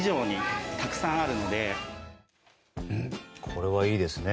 これはいいですね。